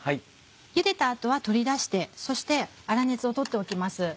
ゆでた後は取り出してそして粗熱を取っておきます。